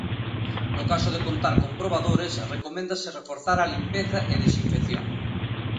No caso de contar con probadores, recoméndase reforzar a limpeza e desinfección.